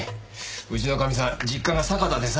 うちのかみさん実家が酒田でさ。